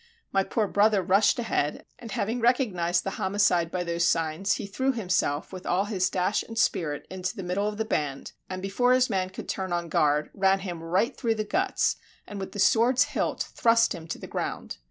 My poor brother rushed ahead, and having recognized the homicide by those signs, he threw himself with all his dash and spirit into the middle of the band, and before his man could turn on guard, ran him right through the guts, and with the sword's hilt thrust him to the ground.